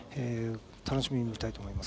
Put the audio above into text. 楽しみに見たいと思います。